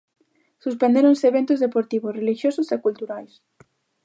Suspendéronse eventos deportivos, relixiosos e culturais.